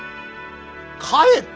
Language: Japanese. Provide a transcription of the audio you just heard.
帰った！？